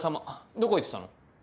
どこ行ってたの？